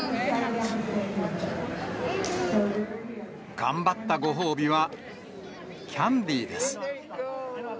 頑張ったご褒美は、キャンディーです。